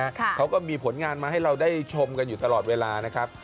เขาก็มีผลงานมาให้เราได้ชมกันอยู่ตลอดเวลานะครับ